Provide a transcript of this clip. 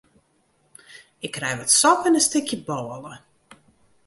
Ik krij wat sop en in stikje bôle.